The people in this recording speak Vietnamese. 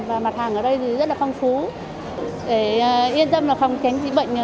và mặt hàng ở đây thì rất là phong phú để yên tâm là không tránh chị bệnh hạn chế ra ngoài